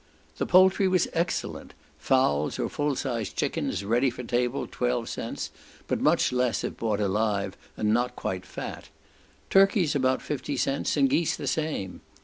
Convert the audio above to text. The poultry was excellent; fowls or full sized chickens, ready for table, twelve cents, but much less if bought alive, and not quite fat; turkeys about fifty cents, and geese the same.